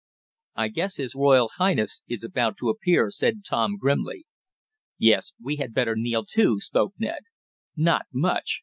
"I guess His Royal Highness is about to appear," said Tom grimly. "Yes, maybe we'd better kneel, too," spoke Ned. "Not much!